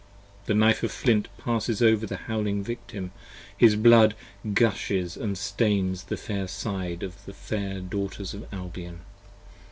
20 The knife of flint passes over the howling Victim: his blood Gushes & stains the fair side of the fair Daug[h]ters of Albion.